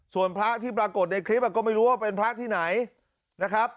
ส่วนพระที่ปรากฏในคลิปก็ไม่รู้ว่าเป็นพระที่ไหนนะครับ